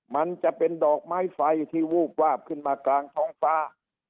มันจะเป็นดอกไม้ไฟที่วูบวาบขึ้นมากลางท้องฟ้า